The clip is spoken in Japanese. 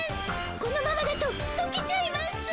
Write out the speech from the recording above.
このままだととけちゃいますぅ！